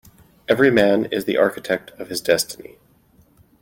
Every man is the architect of his destiny.